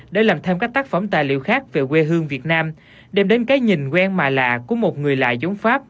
để làm thêm các tác phẩm tài liệu khác về quê hương việt nam đem đến cái nhìn quen mà lạ của một người lạ giống pháp